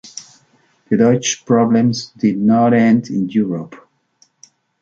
The Doge's problems did not end in Europe.